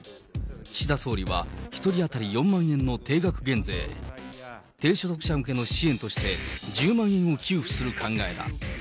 岸田総理は１人当たり４万円の定額減税、低所得者向けの支援として１０万円を給付する考えだ。